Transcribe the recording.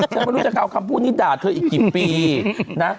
ฉันไม่รู้จักที่วันคำพูดนี่จะด่าเธออีกกี่ปีนะ